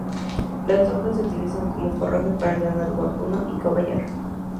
Las hojas se utilizan como forraje para el ganado vacuno y caballar.